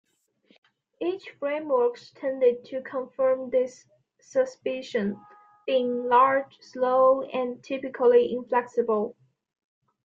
Early frameworks tended to confirm this suspicion, being large, slow, and typically inflexible.